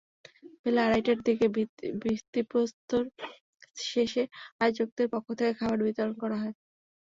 বেলা আড়াইটার দিকে ভিত্তিপ্রস্তর শেষে আয়োজকদের পক্ষ থেকে খাবার বিতরণ করা হয়।